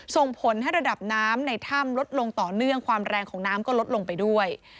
ส่งผลให้ระดับน้ำในถ้ำลดลงต่อเนื่องความแรงของน้ำก็ลดลงไปด้วย